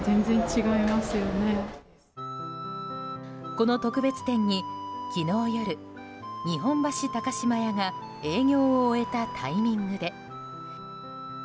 この特別展に昨日夜、日本橋高島屋が営業を終えたタイミングで。